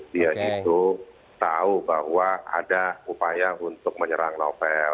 dia itu tahu bahwa ada upaya untuk menyerang novel